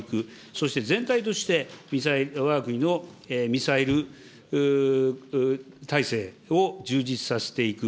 そして全体としてわが国のミサイル体制を充実させていく。